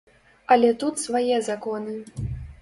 Але тут свае законы.